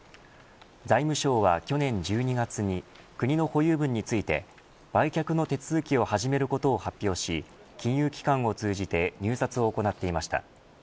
財務省は、去年１２月に国の保有分について売却の手続きを始めることを発表し金融機関を通じて入札を行っていました。